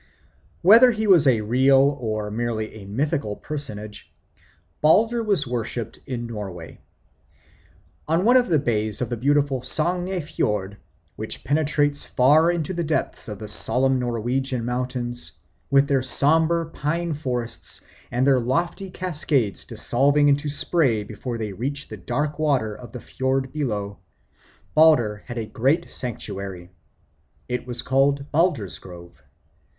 Whether he was a real or merely a mythical personage, Balder was worshipped in Norway. On one of the bays of the beautiful Sogne Fiord, which penetrates far into the depths of the solemn Norwegian mountains, with their sombre pine forests and their lofty cascades dissolving into spray before they reach the dark water of the fiord far below, Balder had a great sanctuary. It was called Balder's Grove.